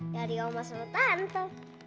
dari oma sama tante